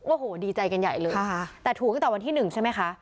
โอ้โหดีใจกันใหญ่เลยค่ะค่ะแต่ถูกต่อวันที่หนึ่งใช่ไหมคะ